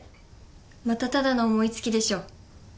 またただの思い付きでしょ？